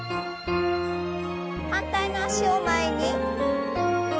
反対の脚を前に。